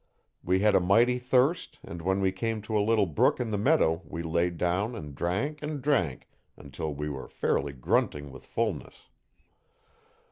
We had a mighty thirst and when we came to a little brook in the meadow we laid down and drank and drank until we were fairly grunting with fullness.